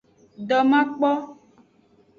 Domakpo.